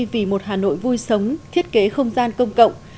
vì một hà nội vui sống thiết kế không gian công cộng